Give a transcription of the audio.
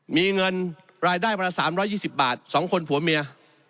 มีเงินรายได้วันละ๓๒๐บาท๒คนผัวเมีย